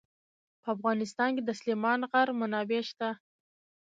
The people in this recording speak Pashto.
په افغانستان کې د سلیمان غر منابع شته.